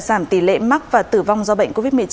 giảm tỷ lệ mắc và tử vong do bệnh covid một mươi chín